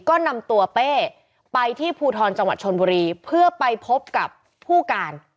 ก็นำตัวเป้ไปที่ภูทรจังหวัดชนบุรีเพื่อไปพบกับผู้การ